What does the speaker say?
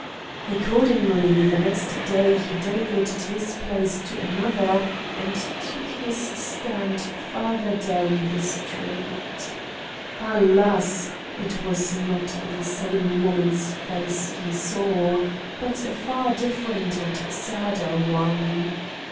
Accordingly, the next day he delegated his place to another and took his stand farther down the street. Alas! it was not the same woman's face he saw; but a far different and sadder one.